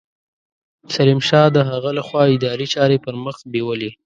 سلیم شاه د هغه له خوا اداري چارې پرمخ بېولې.